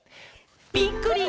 「びっくり！